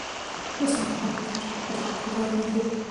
استاد خپلواک راته ویل چې پخوا د خلکو ځایښت نه کېده.